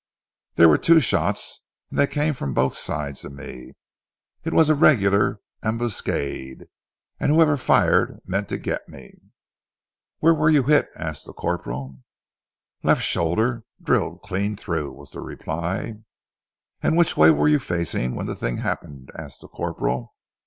"There were two shots, and they came from both sides of me. It was a regular ambuscade, and whoever fired meant to get me." "Where were you hit?" asked the corporal. "Left shoulder! Drilled clean through," was the reply. "And which way were you facing when the thing happened?" asked the corporal.